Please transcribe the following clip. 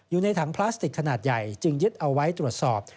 อยู่ในถังพลาสติกขนาดใหญ่จึงยึดเอาไว้ตรวจสอบ